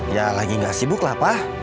ya lagi gak sibuk lah pa